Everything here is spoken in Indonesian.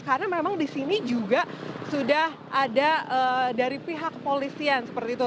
karena memang di sini juga sudah ada dari pihak kepolisian seperti itu